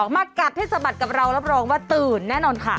มากัดให้สะบัดกับเราแล้วประโยชน์ว่าตื่นแน่นอนค่ะ